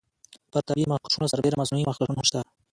پر طبیعي مخکشونو سربیره مصنوعي مخکشونه هم شته.